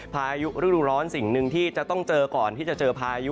พายุฤดูร้อนสิ่งหนึ่งที่จะต้องเจอก่อนที่จะเจอพายุ